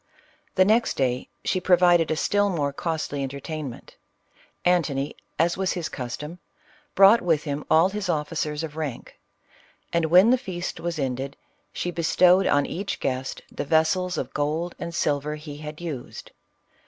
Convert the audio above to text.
The next day she provi ded a still more costly entertainment ; Antony, as was his custom, brought with him all his officers of rank ; an^ when the feast was ended, she bestowed on each guest the vessels of gold and silver he had used.